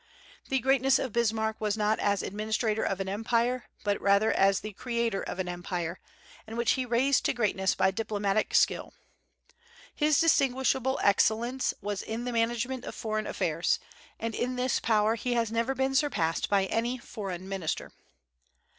The greatness of Bismarck was not as administrator of an empire, but rather as the creator of an empire, and which he raised to greatness by diplomatic skill. His distinguishable excellence was in the management of foreign affairs; and in this power he has never been surpassed by any foreign minister.